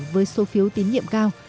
với số phiếu tín nhiệm cao